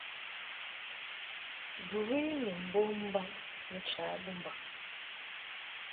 Bɨwi ni mbom mbaŋ ncha bɨmbaŋ.